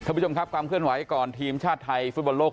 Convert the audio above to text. คุณผู้ชมครับความเคลื่อนไหวก่อนทีมชาติไทยฟุตบอลโลก